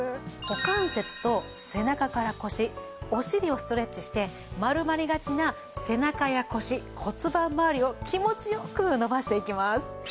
股関節と背中から腰お尻をストレッチして丸まりがちな背中や腰骨盤まわりを気持ち良く伸ばしていきます。